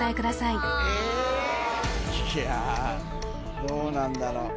いやどうなんだろう